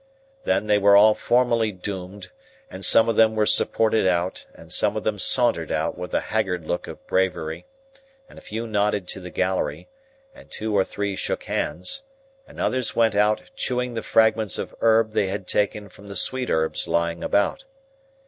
Then they were all formally doomed, and some of them were supported out, and some of them sauntered out with a haggard look of bravery, and a few nodded to the gallery, and two or three shook hands, and others went out chewing the fragments of herb they had taken from the sweet herbs lying about.